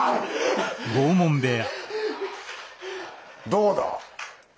どうだ？